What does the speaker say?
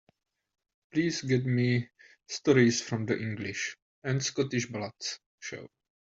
Please get me Stories from the English and Scottish Ballads show.